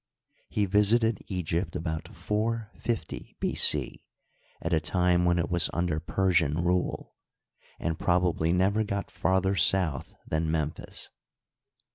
He visited Egypt about 450 B. C, at a time when it was under Persian rule, and probably never got farther south than Memphis.